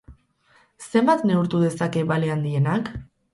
Zenbat neurtu dezake bale handienak?